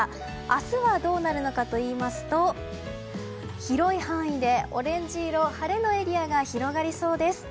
明日はどうなるのかといいますと広い範囲でオレンジ色晴れのエリアが広がりそうです。